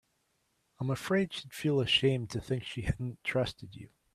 I'm afraid she'd feel ashamed to think she hadn't trusted you.